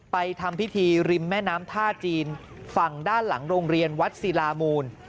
ทำพิธีริมแม่น้ำท่าจีนฝั่งด้านหลังโรงเรียนวัดศิลามูล